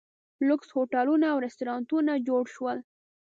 لوکس هوټلونه او ریسټورانټونه جوړ شول.